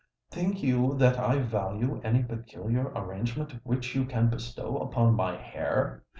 Think you that I value any peculiar arrangement which you can bestow upon my hair?